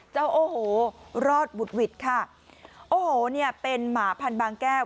เจ้าโอ้โหรอดบุดหวิดค่ะโอ้โหเนี่ยเป็นหมาพันบางแก้ว